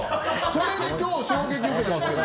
それで今日衝撃を受けてますけど。